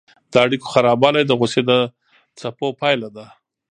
د اړیکو خرابوالی د غوسې د څپو پایله ده.